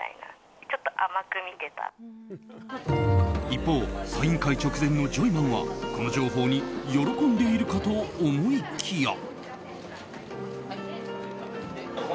一方、サイン会直前のジョイマンはこの情報に喜んでいるかと思いきや。